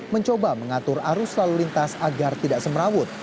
mencoba mengatur arus lalu lintas agar tidak semerawut